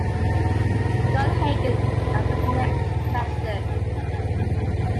Scott Hagan as the next president.